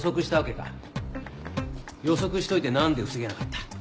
予測しといて何で防げなかった？